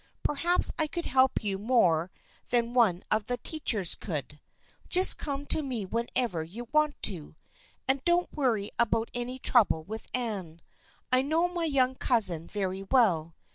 Perhaps I could help you more than one of the teachers could. Just come to me whenever you want to. And don't worry about any trouble with Anne. I know my young cousin very well.